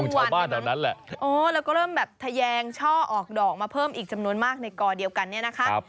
แล้วก็เริ่มแบบทะแยงช่อออกดอกมาเพิ่มอีกจำนวนมากในกอเดียวกันเนี่ยนะคะ